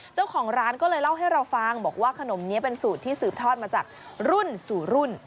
เจ้าของร้านก็เลยเล่าให้เราฟังบอกว่าขนมนี้เป็นสูตรที่สืบทอดมาจากรุ่นสู่รุ่น